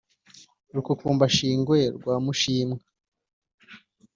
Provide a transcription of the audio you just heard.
rukukumbashingwe rwa mushimwa